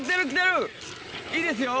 いいですよ！